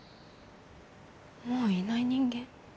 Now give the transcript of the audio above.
もういない人間？